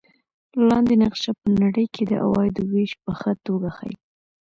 لاندې نقشه په نړۍ کې د عوایدو وېش په ښه توګه ښيي.